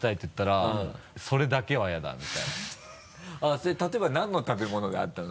それ例えば何の食べ物であったの？